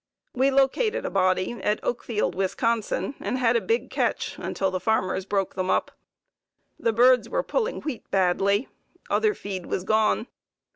We located a body at Oakfield, Wis., and had a big catch until the farmers broke them up. The birds were pulling wheat badly; other feed was gone.